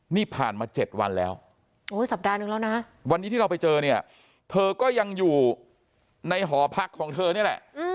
นี่ผ่านมา๗วันแล้วโอ้สัปดาห์นึงแล้วนะวันนี้ที่เราไปเจอเนี่ยเธอก็ยังอยู่ในหอพักของเธอนี่แหละ